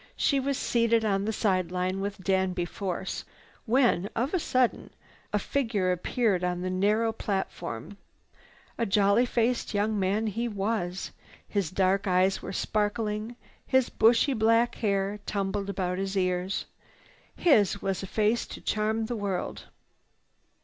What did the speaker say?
She was seated on the side line with Danby Force when, of a sudden, a figure appeared on the narrow platform. A jolly faced young man he was. His dark eyes were sparkling, his bushy black hair tumbled about his ears. His was a face to charm the world.